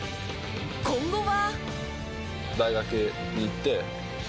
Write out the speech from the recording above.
今後は。